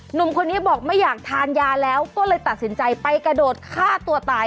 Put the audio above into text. หนุ่มคนนี้บอกไม่อยากทานยาแล้วก็เลยตัดสินใจไปกระโดดฆ่าตัวตาย